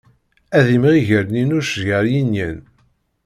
Ad d-imɣi gerninuc gar yinyen.